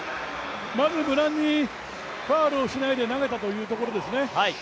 まず無難にファウルをしないで投げたということですね。